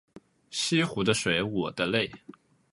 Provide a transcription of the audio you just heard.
西湖的水我的泪